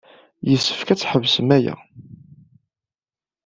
Yessefk ad tḥebsem aya.